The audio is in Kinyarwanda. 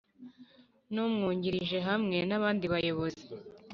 n Umwungirije hamwe n abandi bayobozi